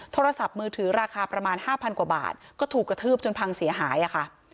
โทรศัพท์มือถือราคาประมาณ๕๐๐กว่าบาทก็ถูกกระทืบจนพังเสียหายอะค่ะ